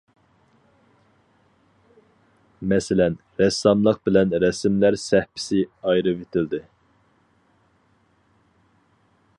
مەسىلەن: رەسساملىق بىلەن رەسىملەر سەھىپىسى ئايرىۋېتىلدى.